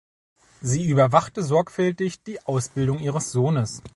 Sie überwachte sorgfältig die Ausbildung ihres Sohnes.